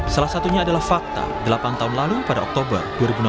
salah satunya adalah fakta delapan tahun lalu pada oktober dua ribu enam belas